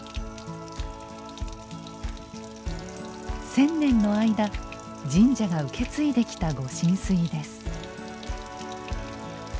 千年の間神社が受け継いできた御神水です。